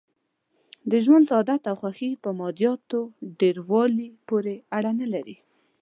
د ژوند سعادت او خوښي په مادیاتو ډېر والي پورې اړه نه لري.